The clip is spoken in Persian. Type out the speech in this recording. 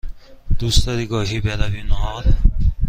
دوست داری گاهی برویم نهار؟